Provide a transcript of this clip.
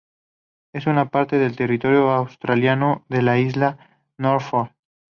Es una parte del territorio australiano de la Isla Norfolk.